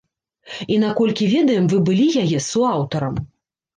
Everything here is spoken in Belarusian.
І наколькі ведаем, вы былі яе суаўтарам.